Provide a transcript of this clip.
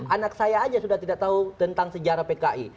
anak saya aja sudah tidak tahu tentang sejarah pki